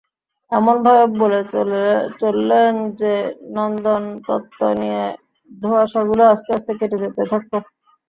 এমনভাবে বলে চললেন যে, নন্দনতত্ত্ব নিয়ে ধোঁয়াশাগুলো আস্তে আস্তে কেটে যেতে থাকল।